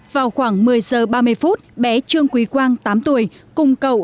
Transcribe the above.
vào khoảng một mươi giờ ba mươi phút bé trương quý quang tám tuổi cùng cậu